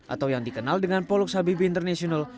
atau yang dikenal dengan poluk habibi international